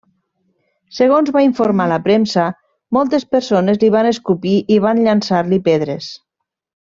Segons va informar la premsa, moltes persones li van escopir i van llançar-li pedres.